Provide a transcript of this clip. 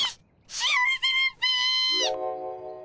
しおれてるっピ！